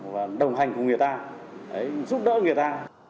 và đồng hành cùng người ta giúp đỡ người ta